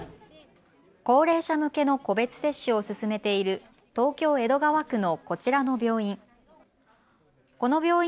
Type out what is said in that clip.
高齢者向けの個別接種を進めている東京江戸川区のこちらの病院。